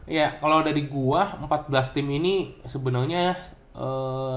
iya kalo dari gue empat belas tim ini sebenernya eeeh